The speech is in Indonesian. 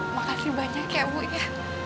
makasih banyak ya bu ya